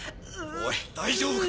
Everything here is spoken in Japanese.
おい大丈夫か？